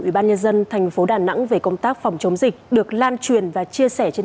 ủy ban nhân dân thành phố đà nẵng về công tác phòng chống dịch được lan truyền và chia sẻ trên